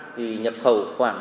thì nhập khẩu khoảng